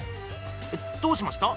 どうしました？